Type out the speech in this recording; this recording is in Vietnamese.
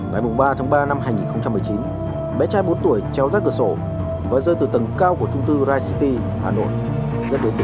ngày ba tháng ba năm hai nghìn một mươi chín bé trai bốn tuổi treo ra cửa sổ và rơi từ tầng cao của trung tư rai city hà nội